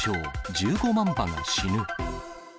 １５万羽が死ぬ。